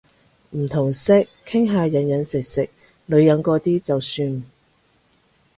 唔同色，傾下飲飲食食女人嗰啲就算